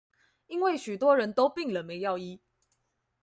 因為許多人都病了沒藥醫